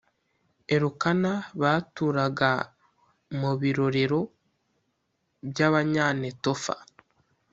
Elukana baturaga mu birorero by Abanyanetofa